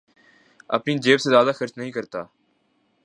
اپنی جیب سے زیادہ خرچ نہیں کرتا